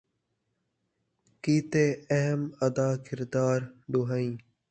کیتے اہم ادا کردار ݙوہیں